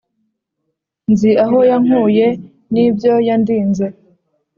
nzi aho yankuye n'ibyo yandinze